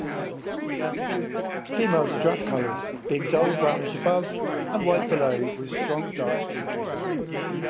Females are drab-coloured, being dull brownish above, and white below with strong dark streaking.